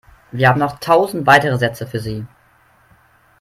Wir haben noch tausende weitere Sätze für Sie.